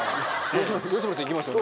吉村さん行きますよね？